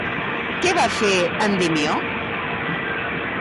Què va fer Endimió?